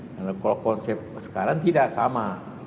karena kalau konsep sekarang tidak sama